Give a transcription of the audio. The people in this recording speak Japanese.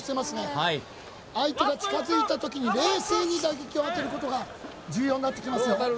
はい相手が近づいた時に冷静に打撃を当てることが重要になってきます